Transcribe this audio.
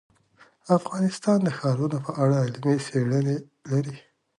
افغانستان د ښارونو په اړه علمي څېړنې لري.